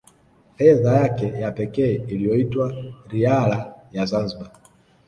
Fedha yake ya pekee iliyoitwa Riala ya Zanzibar